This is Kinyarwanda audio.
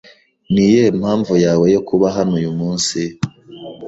Niyihe mpamvu yawe yo kuba hano uyumunsi?